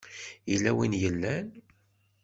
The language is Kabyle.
Yella win i yellan?